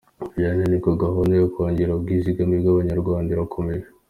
Vianney: Nibyo gahunda yo kongera ubwizigame bw’Abanyarwanda irakomeje.